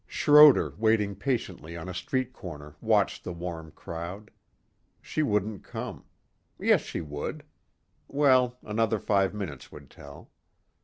Schroder waiting patiently on a street corner watched the warm crowd. She wouldn't come. Yes, she would. Well, another five minutes would tell.